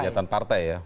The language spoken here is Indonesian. kegiatan partai ya